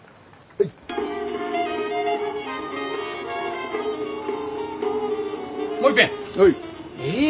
はい。